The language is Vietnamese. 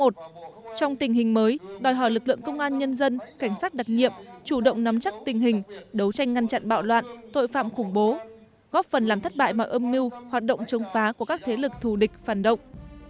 trong tình hình mới đòi hỏi lực lượng công an nhân dân cảnh sát đặc nhiệm chủ động nắm chắc tình hình đấu tranh ngăn chặn bạo loạn tội phạm khủng bố góp phần làm thất bại mọi âm mưu hoạt động chống phá của các thế lực thù địch phản động